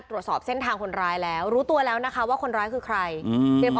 เขาจอดรถทิ้งเขาก็ไปเลยครับเขาวิ่งหนีไปเลย